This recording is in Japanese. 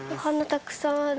たくさんある。